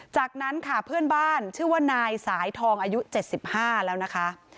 จากนั้นค่ะเพื่อนบ้านชื่อว่านายสายทองอายุ๗๕แล้วนะคะ